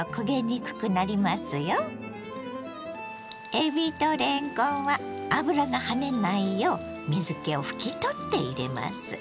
えびとれんこんは油がはねないよう水けを拭き取って入れます。